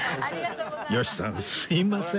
吉さんすいません